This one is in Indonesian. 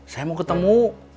saya mau ketemu